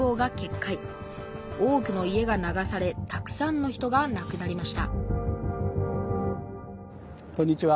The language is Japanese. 多くの家が流されたくさんの人がなくなりましたこんにちは。